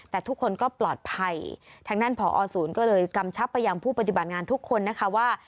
แต่ทุกคนก็ปลอดภัยทางด้านผอศูนย์ก็เลยกำชับไปยังผู้ปฏิบัติงานทุกคนนะคะว่า